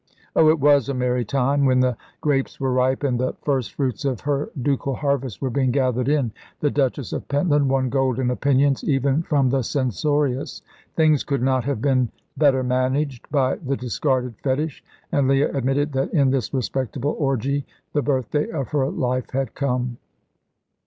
Oh, it was a merry time, when the grapes were ripe and the first fruits of her ducal harvest were being gathered in. The Duchess of Pentland won golden opinions even from the censorious. Things could not have been better managed by the discarded fetish, and Leah admitted that in this respectable orgy the birthday of her life had come.